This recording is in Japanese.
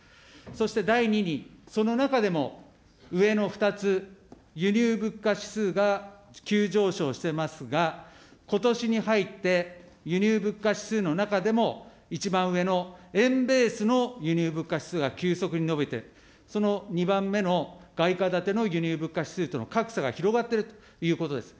そして第２に、その中でも上の２つ、輸入物価指数が急上昇してますが、ことしに入って輸入物価指数の中でも、一番上の円ベースの輸入物価指数が急速に伸びて、その２番目の外貨建ての輸入物価指数との格差が広がっているということです。